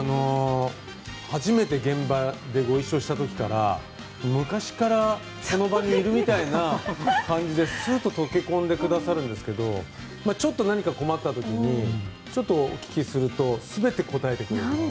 初めて現場でご一緒した時から昔からこの場にいるみたいな感じでスッと溶け込んでくださるんですけどちょっと何か困った時にちょっとお聞きすると全て答えてくれる。